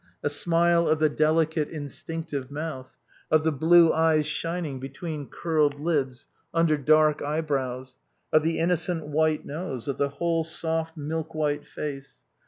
A smile of the delicate, instinctive mouth, of the blue eyes shining between curled lids, under dark eyebrows; of the innocent white nose; of the whole soft, milk white face.